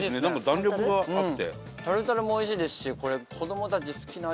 弾力があって。